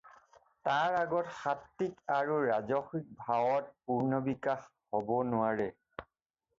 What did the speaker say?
তাৰ আগত সাত্বিক আৰু ৰাজসিক ভাৱৰ পূৰ্ণবিকাশ হ'ব নোৱাৰে।